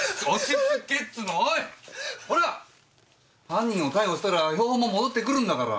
犯人を逮捕したら標本も戻ってくるんだから。